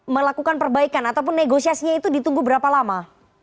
melakukan perbaikan ataupun negosiasinya itu ditunggu berapa lama